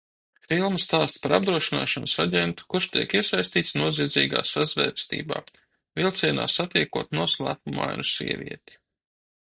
Filma stāsta par apdrošināšanas aģentu, kurš tiek iesaistīts noziedzīgā sazvērestībā, vilcienā satiekot noslēpumainu sievieti.